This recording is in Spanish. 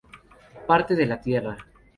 Parte de la tierra.